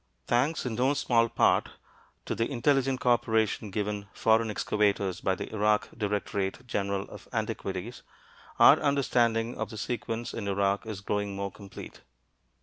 Thanks in no small part to the intelligent co operation given foreign excavators by the Iraq Directorate General of Antiquities, our understanding of the sequence in Iraq is growing more complete.